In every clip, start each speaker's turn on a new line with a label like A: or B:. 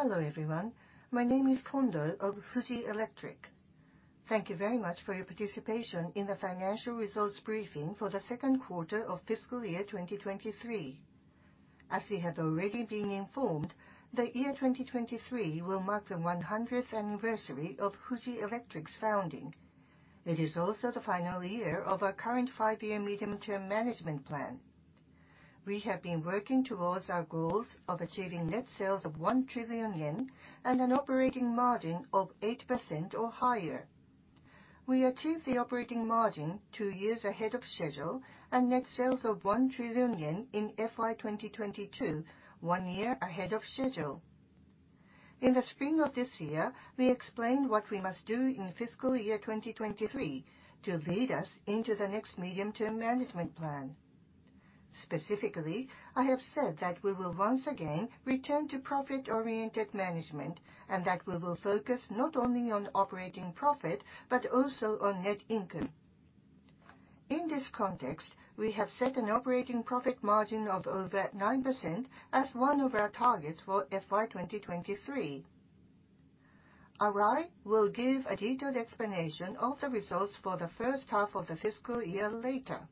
A: Hello, everyone. My name is Kondo of Fuji Electric. Thank you very much for your participation in the financial results briefing for the second quarter of fiscal year 2023. As we have already been informed, the year 2023 will mark the 100th anniversary of Fuji Electric's founding. It is also the final year of our current five-year medium-term management plan. We have been working towards our goals of achieving net sales of 1 trillion yen and an operating margin of 8% or higher. We achieved the operating margin two years ahead of schedule and net sales of 1 trillion yen in FY 2022, one year ahead of schedule. In the spring of this year, we explained what we must do in fiscal year 2023 to lead us into the next medium-term management plan. Specifically, I have said that we will once again return to profit-oriented management, and that we will focus not only on operating profit, but also on net income. In this context, we have set an operating profit margin of over 9% as one of our targets for FY 2023. Arai will give a detailed explanation of the results for the first half of the fiscal year later.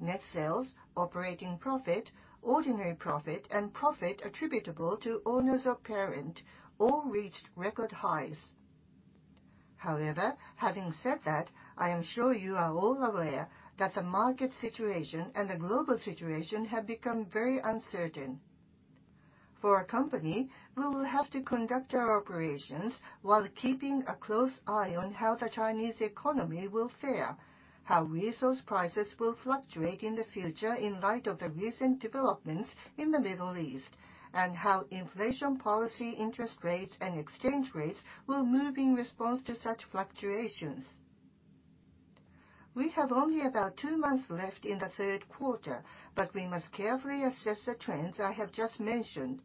A: Net sales, operating profit, ordinary profit, and profit attributable to owners of parent all reached record highs. However, having said that, I am sure you are all aware that the market situation and the global situation have become very uncertain. For our company, we will have to conduct our operations while keeping a close eye on how the Chinese economy will fare, how resource prices will fluctuate in the future in light of the recent developments in the Middle East, and how inflation policy, interest rates, and exchange rates will move in response to such fluctuations. We have only about two months left in the third quarter, but we must carefully assess the trends I have just mentioned,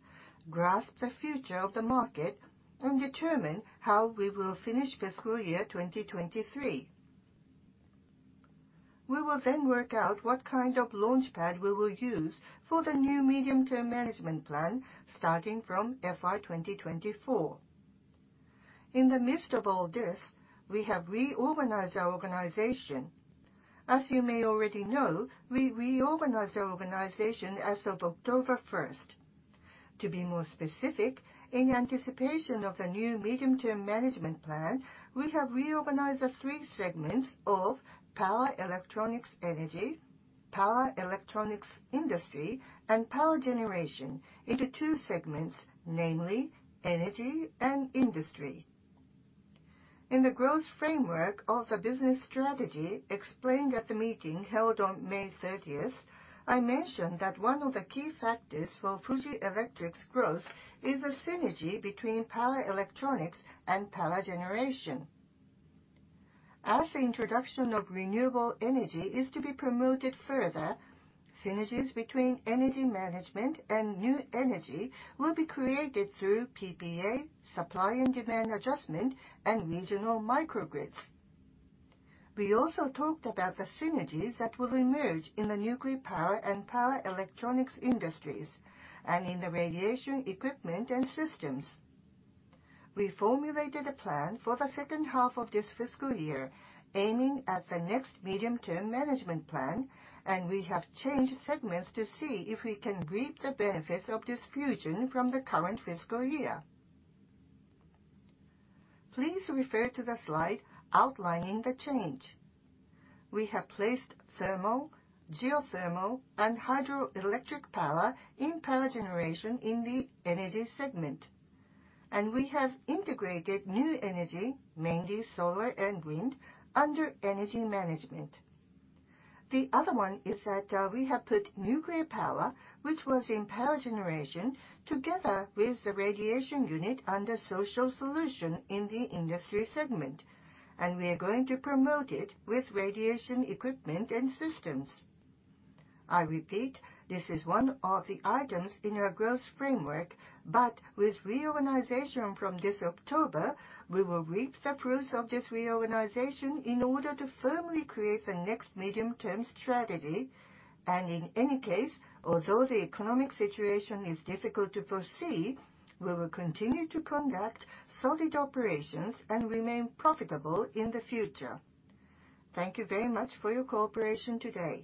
A: grasp the future of the market, and determine how we will finish fiscal year 2023. We will then work out what kind of launchpad we will use for the new medium-term management plan starting from FY 2024. In the midst of all this, we have reorganized our organization. As you may already know, we reorganized our organization as of October 1. To be more specific, in anticipation of the new medium-term management plan, we have reorganized the three segments of Power Electronics Energy, Power Electronics Industry, and Power Generation into two segments, namely energy and industry. In the growth framework of the business strategy explained at the meeting held on May 30, I mentioned that one of the key factors for Fuji Electric's growth is the synergy between Power Electronics and Power Generation. As the introduction of renewable energy is to be promoted further, synergies between energy management and new energy will be created through PPA, supply and demand adjustment, and regional microgrids. We also talked about the synergies that will emerge in the nuclear power and power electronics industries, and in the radiation equipment and systems. We formulated a plan for the second half of this fiscal year, aiming at the next medium-term management plan, and we have changed segments to see if we can reap the benefits of this fusion from the current fiscal year. Please refer to the slide outlining the change. We have placed thermal, geothermal, and hydroelectric power in Power Generation in the energy segment, and we have integrated new energy, mainly solar and wind, under energy management. The other one is that, we have put nuclear power, which was in Power Generation, together with the radiation unit under Social Solution in the industry segment, and we are going to promote it with radiation equipment and systems. I repeat, this is one of the items in our growth framework, but with reorganization from this October, we will reap the fruits of this reorganization in order to firmly create the next medium-term stratsgy. In any case, although the economic situation is difficult to foresee, we will continue to conduct solid operations and remain profitable in the future. Thank you very much for your cooperation today.